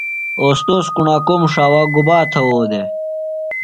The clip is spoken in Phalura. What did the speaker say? اوستوذ کُݨاکوم ݜاوا گُبا تھوؤ دےۡ؟